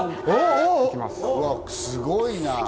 すごいな！